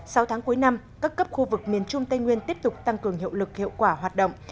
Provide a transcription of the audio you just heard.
sau tháng cuối năm các cấp khu vực miền trung tây nguyên tiếp tục tăng cường hiệu lực hiệu quả hoạt động